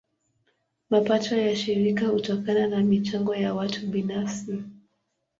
Mapato ya shirika hutokana na michango ya watu binafsi.